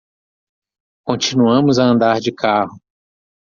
Continuamos a andar de carro